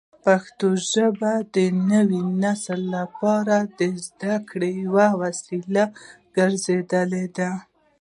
پښتو ژبه د نوي نسل لپاره د زده کړې یوه وسیله ګرځېدلې ده.